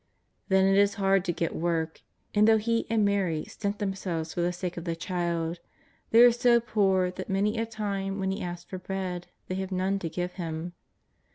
Then it is hard to get work, and though he and Mary stint themselves for the sake of the Child, they are so poor that many a time when He asks for bread they have none to give Him.